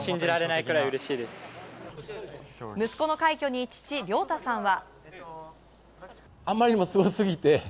息子の快挙に父・亮太さんは。